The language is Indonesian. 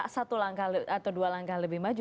satu langkah atau dua langkah lebih maju